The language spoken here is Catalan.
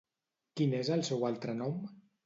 Quin és el seu altre nom?